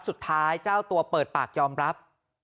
สุดท้ายเจ้าตัวเปิดปากยอมรับ